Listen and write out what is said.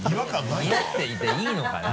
似合っていていいのかな？